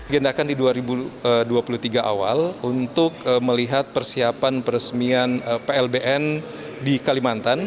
gendakan di dua ribu dua puluh tiga awal untuk melihat persiapan peresmian plbn di kalimantan